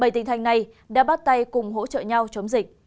bảy tỉnh thành này đã bắt tay cùng hỗ trợ nhau chống dịch